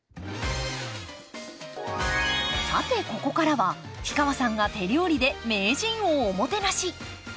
さてここからは氷川さんが手料理で名人をおもてなし！